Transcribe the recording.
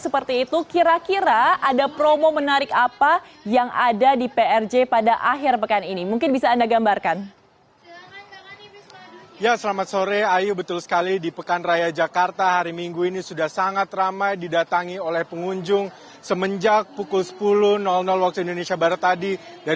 pekan raya jakarta